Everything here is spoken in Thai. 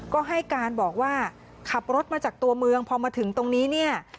ก็ให้การบอกว่าขับรถมาจากตัวเมืองพอมาถึงตรงนี้เนี่ย